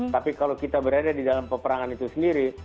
tapi kalau kita berada di dalam peperangan itu sendiri